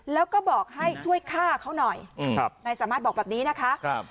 แล้วก็บอกให้ช่วยฆ่าเขาหน่อยนายสามารถบอกแบบนี้นะคะ